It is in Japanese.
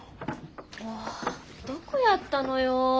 もうどこやったのよ。